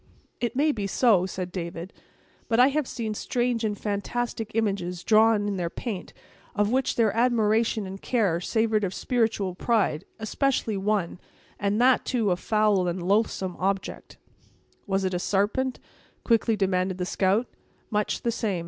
"It may be so," said David; "but I have seen strange and fantastic images drawn in their paint, of which their admiration and care savored of spiritual pride; especially one, and that, too, a foul and loathsome object." "Was it a sarpent?" quickly demanded the scout. "Much the same.